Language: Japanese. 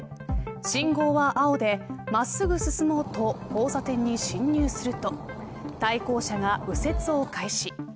信号は青で、真っすぐ進もうと交差点に進入すると対向車が右折を開始。